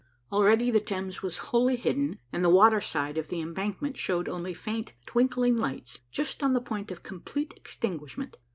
Already the Thames was wholly hidden, and the water side of the embankment showed only faint, twinkling lights, just on the point of complete extinguishment.